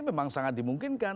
memang sangat dimungkinkan